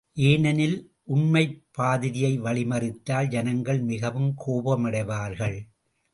ஏனெனில் உண்மைப் பாதிரியை வழிமறித்தால் ஜனங்கள் மிகவும் கோபடைவார்கள்.